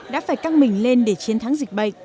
đã phải căng mình lên để chiến thắng dịch bệnh